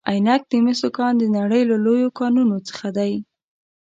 د عینک د مسو کان د نړۍ له لویو کانونو څخه دی.